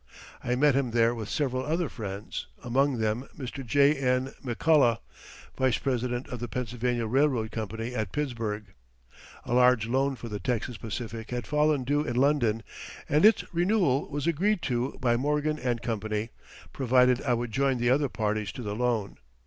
I met him there with several other friends, among them Mr. J.N. McCullough, vice president of the Pennsylvania Railroad Company at Pittsburgh. A large loan for the Texas Pacific had fallen due in London and its renewal was agreed to by Morgan & Co., provided I would join the other parties to the loan.